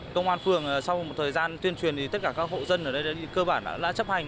công an phường sau một thời gian tuyên truyền thì tất cả các hộ dân ở đây cơ bản đã chấp hành